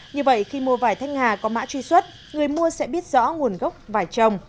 như vậy khi mua vải thanh hà có mã truy xuất người mua sẽ biết rõ nguồn gốc vải trồng